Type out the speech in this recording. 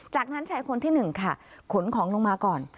จากนั้นใช้คนที่หนึ่งค่ะขนของลงมาก่อน